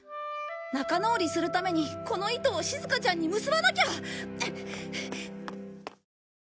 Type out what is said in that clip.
仲直りするためにこの糸をしずかちゃんに結ばなきゃ！